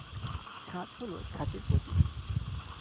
ছাঁচ হল ছাঁচের প্রতিরূপ।